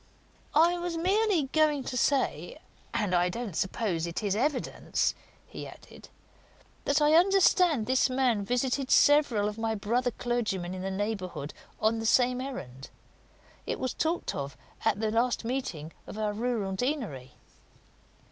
"I was merely going to say and I don't suppose it is evidence " he added, "that I understand this man visited several of my brother clergymen in the neighbourhood on the same errand. It was talked of at the last meeting of our rural deanery."